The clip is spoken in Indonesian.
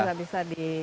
sudah bisa di